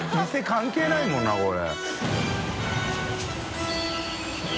関係ないもんなこれ。